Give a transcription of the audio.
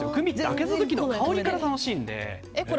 開けた時の香りから楽しいので。